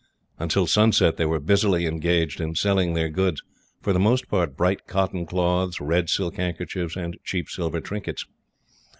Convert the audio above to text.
Until sunset they were busily engaged in selling their goods for the most part bright cotton cloths, red silk handkerchiefs, and cheap silver trinkets.